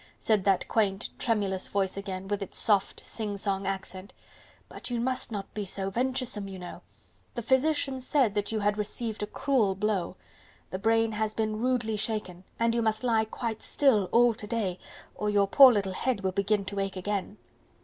said that quaint, tremulous voice again, with its soft sing song accent, "but you must not be so venturesome, you know. The physician said that you had received a cruel blow. The brain has been rudely shaken... and you must lie quite still all to day, or your poor little head will begin to ache again."